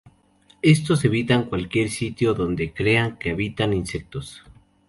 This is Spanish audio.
Estos evitan cualquier sitio donde crean que habitan insectos.